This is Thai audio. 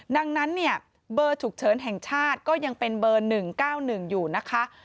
ดังนั้นเนี่ยเบอร์ฉุกเฉินแห่งชาติก็ยังเป็นเบอร์๑๙๑อยู่นะคะ